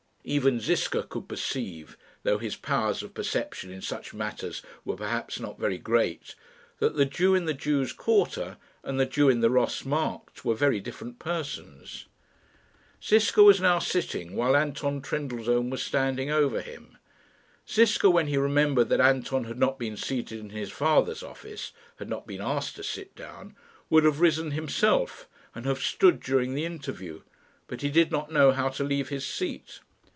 Even Ziska could perceive, though his powers of perception in such matters were perhaps not very great, that the Jew in the Jews' quarter, and the Jew in the Ross Markt, were very different persons. Ziska was now sitting while Anton Trendellsohn was standing over him. Ziska, when he remembered that Anton had not been seated in his father's office had not been asked to sit down would have risen himself, and have stood during the interview, but he did not know how to leave his seat.